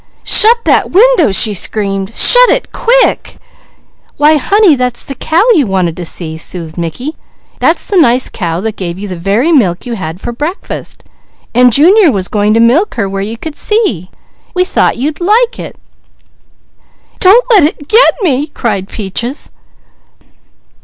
"Shut that window!" she screamed. "Shut it quick!" "Why honey, that's the cow you wanted to see," soothed Mickey. "That's the nice cow that gave the very milk you had for breakfast. Junior was going to milk her where you could see. We thought you'd like it!" "Don't let it get me!" cried Peaches.